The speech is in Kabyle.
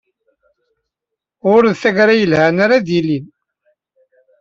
Ur d tagara yelhan ara d-yilin.